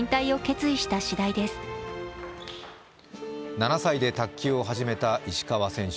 ７歳で卓球を始めた石川選手。